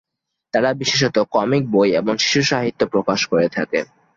তারা বিশেষত কমিক বই এবং শিশুসাহিত্য প্রকাশ করে থাকে।